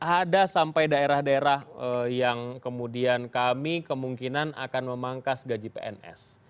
ada sampai daerah daerah yang kemudian kami kemungkinan akan memangkas gaji pns